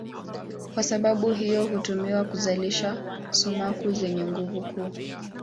Kwa sababu hiyo hutumiwa kuzalisha sumaku zenye nguvu kuu.